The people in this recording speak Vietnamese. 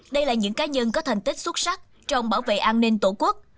đây là những cá nhân có thành tích xuất sắc trong bảo vệ an ninh tổ quốc